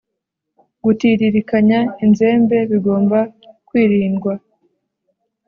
gutiririkanya inzembe bigomba kwirindwa